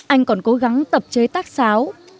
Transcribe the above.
anh còn cố gắng tập chế tác sáo